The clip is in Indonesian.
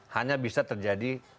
hanya bisa terjadi